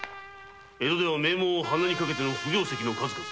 江戸では名門を鼻にかけての不行跡の数々。